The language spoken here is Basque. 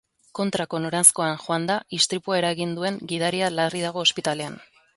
Kontrako noranzkoan joanda istripua eragin duen gidaria larri dago ospitalean.